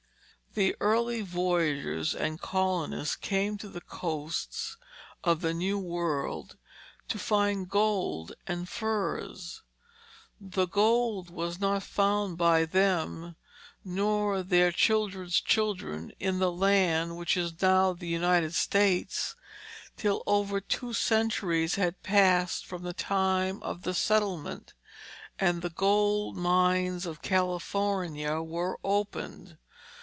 The early voyagers and colonists came to the coasts of the New World to find gold and furs. The gold was not found by them nor their children's children in the land which is now the United States, till over two centuries had passed from the time of the settlement, and the gold mines of California were opened.